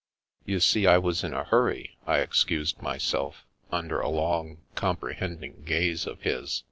"You see, I was in a hurry," I excused mjrself, under a long, comprehending gaze of his.